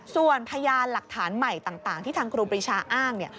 ส่วนพยานหลักฐานใหม่ต่างที่ทางครูปรีชาอ้างเนี่ย